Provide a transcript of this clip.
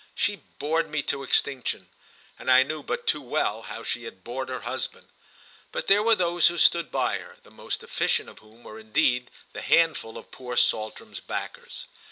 She bored me to extinction, and I knew but too well how she had bored her husband; but there were those who stood by her, the most efficient of whom were indeed the handful of poor Saltram's backers.